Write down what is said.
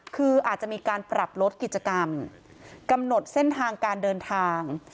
คืออาจจะมีการปรับลดกิจกรรมกำหนดเส้นทางการเดินทาง